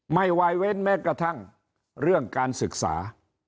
วายเว้นแม้กระทั่งเรื่องการศึกษา